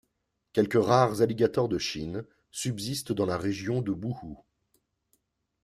Quelques rares alligators de Chine subsistent dans la région de Wuhu.